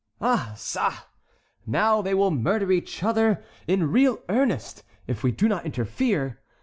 "Ah ça! now they will murder each other in real earnest, if we do not interfere.